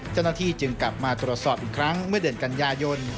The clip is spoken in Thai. เจ้าหน้าที่จึงกลับมาตรวจสอบอีกครั้งเมื่อเดือนกันยายน